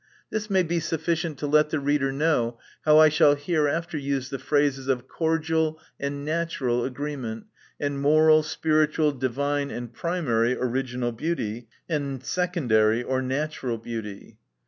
— This may be sufficient to let the reader know how I shall hereafter use the phrases of cordial, and natural agreement ; and moral, spiritual, divine, and primary original beauty, and secondary, or natural beauty.